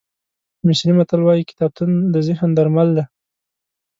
مصري متل وایي کتابتون د ذهن درمل دی.